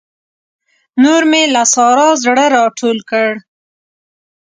نور مې له سارا زړه راټول کړ.